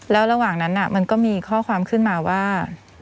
แล้วระหว่างนั้นมันก็มีข้อความขึ้นมาว่า